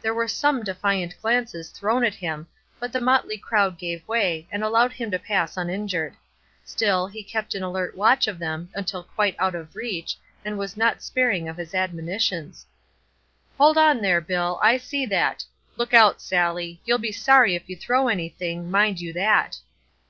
There were some defiant glances thrown at him, but the motley crowd gave way, and allowed him to pass uninjured. Still he kept an alert watch of them until quite out of reach, and was not sparing of his admonitions. "Hold on there, Bill, I see that! Look out, Sally! You'll be sorry if you throw anything, mind you that!"